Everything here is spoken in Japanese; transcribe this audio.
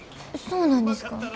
そうなんですか？